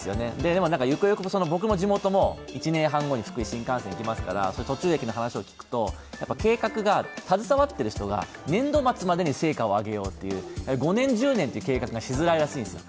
でもゆくゆく、僕の地元も１年半後に新幹線が来ますから途中駅の話を聞くと、計画が携わっている人が年度末までに成果を挙げようという、５年、１０年という計画がしづらいらしいんです。